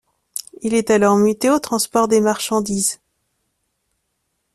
Il est alors muté au transport des marchandises.